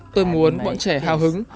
tôi muốn mọi trẻ hào hứng